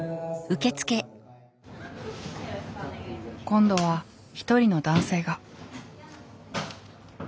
今度は一人の男性が。